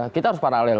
kita harus paralel